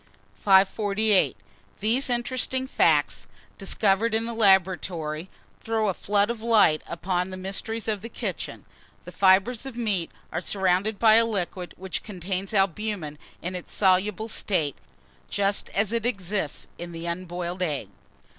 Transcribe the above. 548. THESE INTERESTING FACTS, discovered in the laboratory, throw a flood of light upon the mysteries of the kitchen. The fibres of meat are surrounded by a liquid which contains albumen in its soluble state, just as it exists in the unboiled egg.